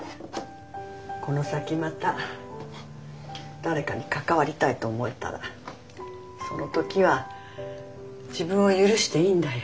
この先また誰かに関わりたいと思えたらその時は自分を許していいんだよ。